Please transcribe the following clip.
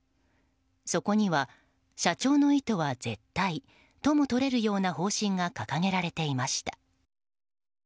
そこには、社長の意図は絶対ともとれるような方針が掲げられていました。